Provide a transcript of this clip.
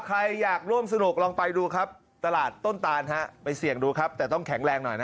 ใครอยากร่วมสนุกลองไปดูครับตลาดต้นตานฮะไปเสี่ยงดูครับแต่ต้องแข็งแรงหน่อยนะ